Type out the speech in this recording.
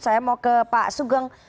saya mau ke pak sugeng